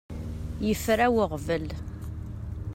Yefra weɣbel.